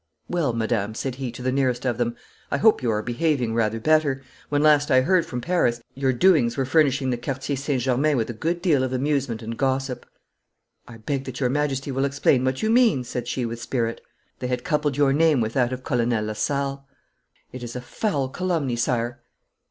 'Well, madame,' said he to the nearest of them, 'I hope you are behaving rather better. When last I heard from Paris your doings were furnishing the Quartier St. Germain with a good deal of amusement and gossip.' 'I beg that your Majesty will explain what you mean,' said she with spirit. 'They had coupled your name with that of Colonel Lasalle.' 'It is a foul calumny, sire.'